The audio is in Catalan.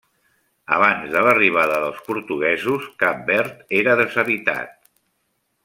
Abans de l'arribada dels portuguesos, Cap Verd era deshabitat.